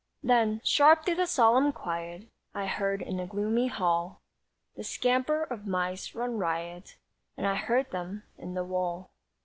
Then, sharp through the solemn quiet, I heard in the gloomy hall The scamper of mice run riot, And I heard them in the wall.